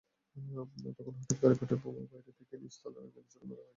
তখন হঠাৎ করে একটি পেট্রলবোমা বাইরে থেকে নিচতলার আঙিনায় ছুড়ে মারা হয়।